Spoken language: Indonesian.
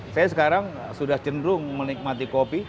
saya sekarang sudah cenderung menikmati kopi